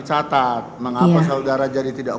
catat mengapa saudara jadi tidak